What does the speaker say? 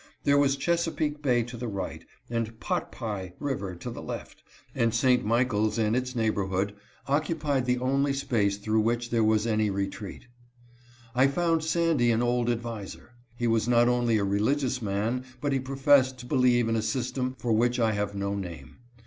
There was Chesapeake Bay to the right, and "Pot pie" river to the left, and St. Michaels and its neighborhood occupied the only space through which there was any retreat. I found Sandy an old adviser. He was not only a religious man, but he professed to believe in a system for which I have no name.